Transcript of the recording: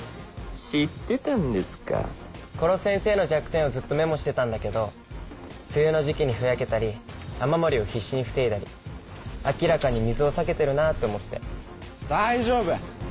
知ってたんですか殺せんせーの弱点をずっとメモしてたんだけど梅雨の時期にふやけたり雨漏りを必死に防いだり明らかに水を避けてるなーって思って大丈夫